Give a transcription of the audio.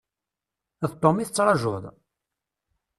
D Tom i tettrajuḍ?